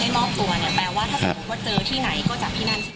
ถ้าสมมุติว่าเจอที่ไหนก็จับที่นั่นสินะครับ